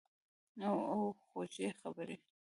او خوږې خبرې